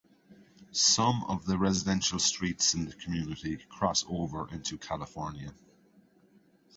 Some of the residential streets in the community cross over into California.